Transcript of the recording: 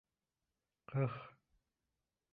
Ҡых!